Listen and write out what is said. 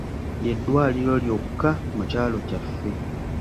Ly'eddwaliro lyokka mu kyalo kyaffe.